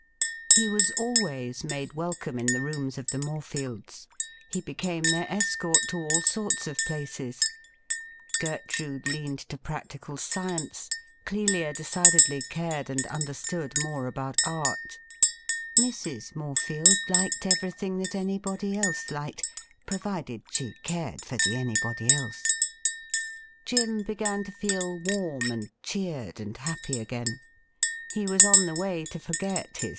He was always made welcome in the rooms of the Morefields. He became their escort to all sorts of places. Gertrude leaned to practical science; Clelia decidedly cared and understood more about art; Mrs. Morefield liked everything that anybody else liked, provided she cared for the anybody else. Jim began to feel warm and cheered and happy again. He was on the way In forget his.